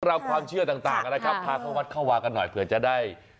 เท่าความเชื่อต่างกันไม่ราคาวัดเข้าวากันหน่อยเผื่อจะได้